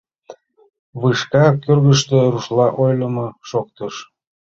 — Вышка кӧргыштӧ рушла ойлымо шоктыш.